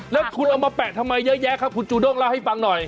แล้วคุณเอามาแปะทำไมเยอะแยะครับคุณจูด้งเล่าให้ฟังหน่อย